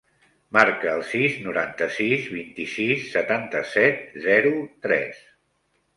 Marca el sis, noranta-sis, vint-i-sis, setanta-set, zero, tres.